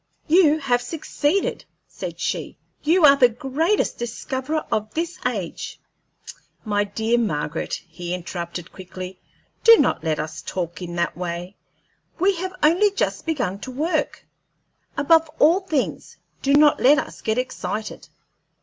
"You have succeeded," said she; "you are the greatest discoverer of this age!" "My dear Margaret," he interrupted, quickly, "do not let us talk in that way; we have only just begun to work. Above all things, do not let us get excited.